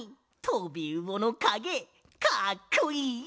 とびうおのかげかっこいい！